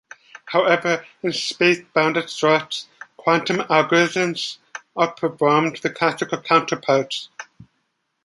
However, in space-bounded sorts, quantum algorithms outperform their classical counterparts.